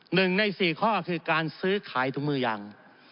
หนึ่งในสี่ข้อคือการซื้อขายถุงมือยาง